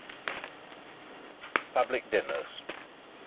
PUBLIC DINNERS.